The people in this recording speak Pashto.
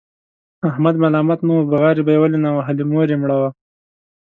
احمد ملامت نه و، بغارې به یې ولې نه وهلې؛ مور یې مړه وه.